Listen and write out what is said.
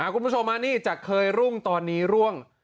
คุณผู้ชมนี่จากเคยรุ่งตอนนี้ร่วง